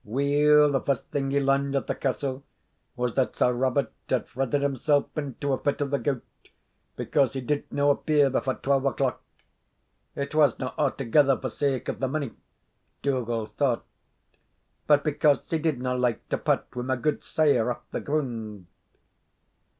Weel, the first thing he learned at the castle was that Sir Robert had fretted himsell into a fit of the gout because he did no appear before twelve o'clock. It wasna a'thegether for sake of the money, Dougal thought, but because he didna like to part wi' my gudesire aff the grund.